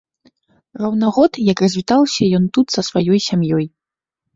Роўна год, як развітаўся ён тут са сваёй сям'ёй.